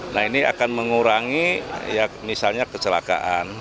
nah ini akan mengurangi ya misalnya kecelakaan